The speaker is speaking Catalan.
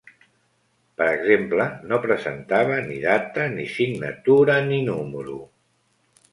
Per exemple, no presentava ni data, ni signatura ni número.